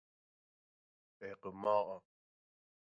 اقماع